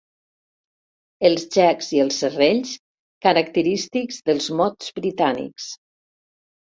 Els gecs i els serrells característics dels 'mods' britànics.